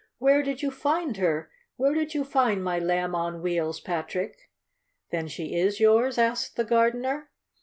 "Where did you find her? Where did you find my Lamb on Wheels, Patrick?" "Then she is yours?" asked the gardener.